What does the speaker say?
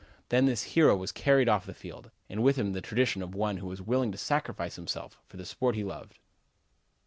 Then this hero was carried off the field, and with him the tradition of one who was willing to sacrifice himself for the sport he loved.